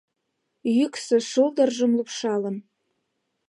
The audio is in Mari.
Йӱксӧ шулдыржым лупшалын